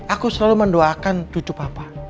aku selalu mendoakan cucu papa